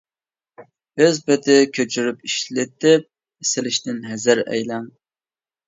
ئۆز پېتى كۆچۈرۈپ ئىشلىتىپ سېلىشتىن ھەزەر ئەيلەڭ!